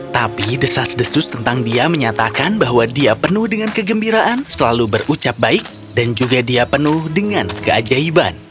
tapi desas desus tentang dia menyatakan bahwa dia penuh dengan kegembiraan selalu berucap baik dan juga dia penuh dengan keajaiban